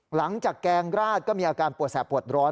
แกงราดก็มีอาการปวดแสบปวดร้อน